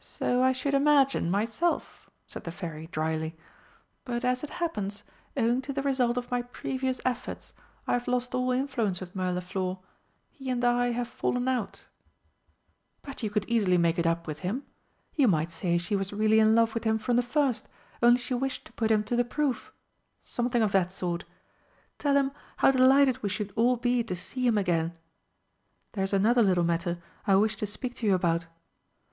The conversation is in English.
"So I should imagine, myself," said the Fairy drily. "But, as it happens, owing to the result of my previous efforts, I have lost all influence with Mirliflor. He and I have fallen out." "But you could easily make it up with him. You might say she was really in love with him from the first, only she wished to put him to the proof something of that sort. Tell him how delighted we should all be to see him again. There's another little matter I wished to speak to you about.